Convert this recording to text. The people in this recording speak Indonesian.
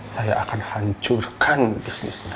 saya akan hancurkan bisnisnya